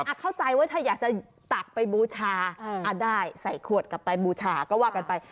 เข้าใจว่าถ้าอยากจะตักไปบูชาได้ใส่ขวดกลับไปบูชาก็ว่ากันไป